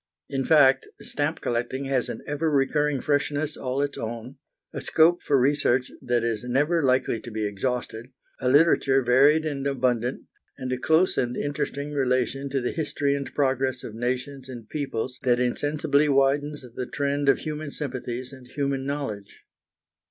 In fact, stamp collecting has an ever recurring freshness all its own, a scope for research that is never likely to be exhausted, a literature varied and abundant, and a close and interesting relation to the history and progress of nations and peoples that insensibly widens the trend of human sympathies and human knowledge.